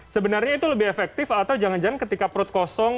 sebenarnya itu lebih efektif atau jangan jangan ketika perut kosong